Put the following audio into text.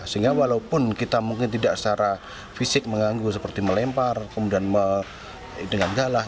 sehingga walaupun kita mungkin tidak secara fisik mengganggu seperti melempar kemudian dengan galah